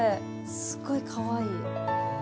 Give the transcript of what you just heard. すっごいかわいい。